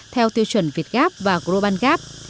theo tiêu chuẩn việt gáp